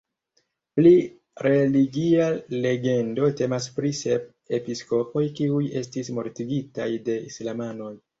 Pli religia legendo temas pri sep episkopoj kiuj estis mortigitaj de islamanoj.